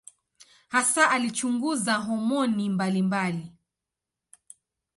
Hasa alichunguza homoni mbalimbali.